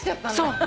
そう。